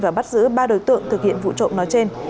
và bắt giữ ba đối tượng thực hiện vụ trộm nói trên